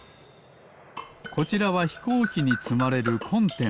こちらはひこうきにつまれるコンテナ。